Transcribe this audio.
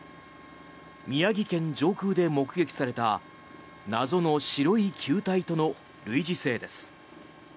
宮城県上空で目撃された謎の白い球体との類似性です。